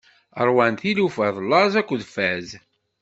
Ṛwan tilufa laẓ akked fad.